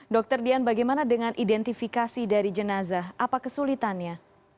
dr dian bagaimana dengan identifikasi dari jenazah apa kesulitannya